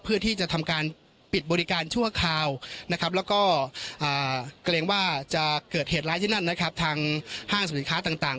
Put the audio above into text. เพื่อที่จะทำการปิดบริการชั่วคราวนะครับแล้วก็เกรงว่าจะเกิดเหตุร้ายที่นั่นนะครับทางห้างสรรสินค้าต่าง